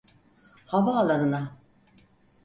Havaalanına.